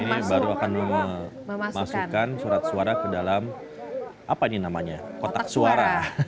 ini baru akan memasukkan surat suara ke dalam kotak suara